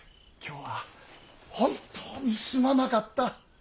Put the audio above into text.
今日は本当にすまなかった。